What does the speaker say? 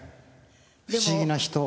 不思議な人。